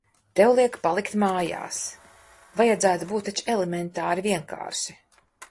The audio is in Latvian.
Tev liek palikt mājās. Vajadzētu būt taču elementāri, vienkārši?